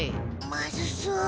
まずそう。